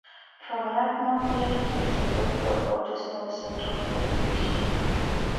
Pavanatma College is the backbone of this small centre of education.